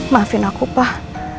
maafin aku pak